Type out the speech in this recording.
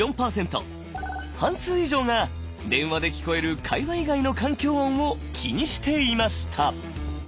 半数以上が電話で聞こえる会話以外の環境音を気にしていました。